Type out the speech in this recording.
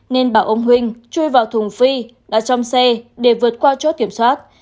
nên bảo ông huỳnh chui vào thùng phi đã trong xe để vượt qua chốt kiểm soát